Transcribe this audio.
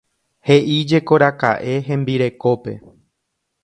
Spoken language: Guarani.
He'íjekoraka'e hembirekópe.